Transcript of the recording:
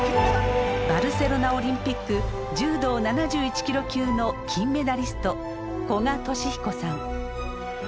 バルセロナオリンピック柔道７１ｋｇ級の金メダリスト古賀稔彦さん。